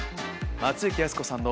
松雪泰子さんの。